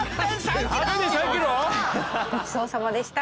ごちそうさまでした。